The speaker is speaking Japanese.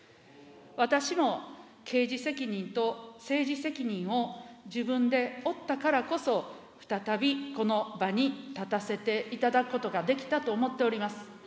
私も刑事責任と政治責任を自分で負ったからこそ、再びこの場に立たせていただくことができたと思っております。